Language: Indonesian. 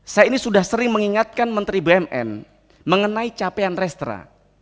saya ini sudah sering mengingatkan menteri bumn mengenai capaian restra